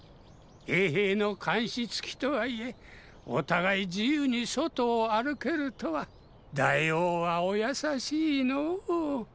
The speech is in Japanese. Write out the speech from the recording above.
衛兵の監視付きとはいえお互い自由に外を歩けるとは大王はお優しいのォ。